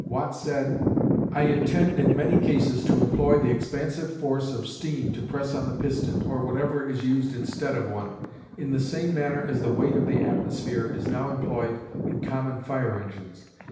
Watt said: I intend in many cases to employ the expansive force of steam to press on the piston, or whatever is used instead of one, in the same manner as the weight of the atmosphere is now employed in common fire engines.